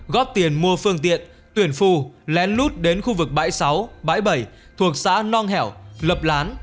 góp tiền mua phương tiện tuyển phù lén lút đến khu vực bãi sáu bãi bảy thuộc xã nong hẻo lập lán